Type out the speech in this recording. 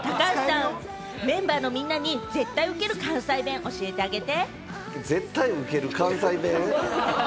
高橋さん、メンバーのみんなに絶対にウケる関西弁、教えてあげて。